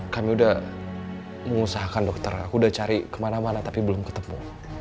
kami udah mengusahakan dokter aku udah cari kemana mana tapi belum ketemu